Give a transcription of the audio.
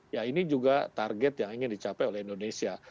ya ini juga target yang ingin dicapai oleh indonesia